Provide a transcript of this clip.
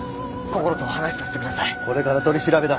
これから取り調べだ。